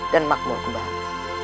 dan makmur kembali